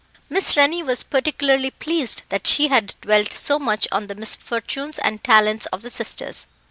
Miss Rennie was particularly pleased that she had dwelt so much on the misfortunes and talents of the sisters.